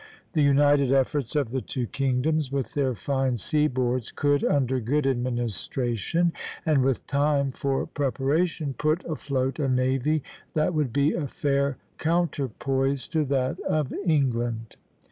The united efforts of the two kingdoms with their fine seaboards could, under good administration and with time for preparation, put afloat a navy that would be a fair counterpoise to that of England.